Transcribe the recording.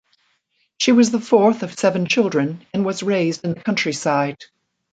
She was the fourth of seven children and was raised in the countryside.